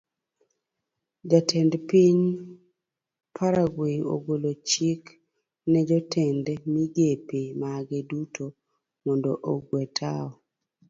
Jatend piny paraguay ogolo chik ne jotend migepe mage duto mondo ogue tao.